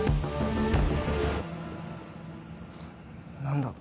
何だ？